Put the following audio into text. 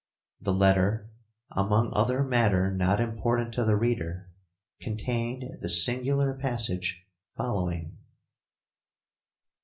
The letter, among other matter not important to the reader, contained the singular passage following.